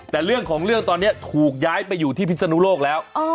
แต่เรื่องของเรื่องตอนนี้ถูกย้ายไปอยู่ที่พิศนุโลกแล้ว